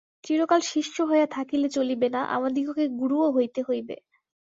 চিরকাল শিষ্য হইয়া থাকিলে চলিবে না, আমাদিগকে গুরুও হইতে হইবে।